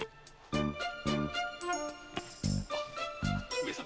上様